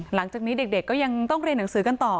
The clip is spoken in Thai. หลังจากนี้เด็กก็ยังต้องเรียนหนังสือกันต่อ